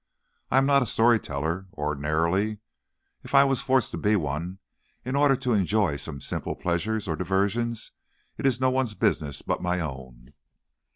I am not a story teller, ordinarily. If I was forced to be one, in order to enjoy some simple pleasures or diversions, it is no one's business but my own."